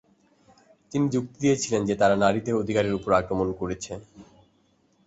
তিনি যুক্তি দিয়েছিলেন যে তারা নারীদের অধিকারের উপর আক্রমণ করেছে।